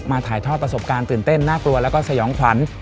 ถ่ายทอดประสบการณ์ตื่นเต้นน่ากลัวแล้วก็สยองขวัญ